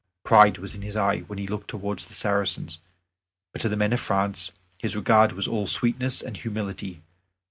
Pride was in his eye when he looked towards the Saracens; but to the men of France his regard was all sweetness and humility.